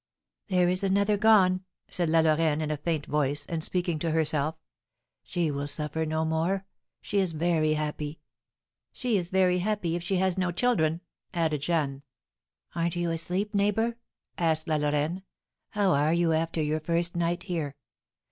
"There is another gone!" said La Lorraine, in a faint voice, and speaking to herself. "She will suffer no more; she is very happy!" "She is very happy if she has no children!" added Jeanne. "Aren't you asleep, neighbour?" asked La Lorraine. "How are you after your first night here?